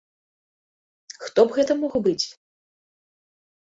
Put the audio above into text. Хто б гэта мог быць?